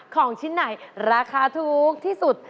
ของชิ้นไหนราคาถูกที่สุด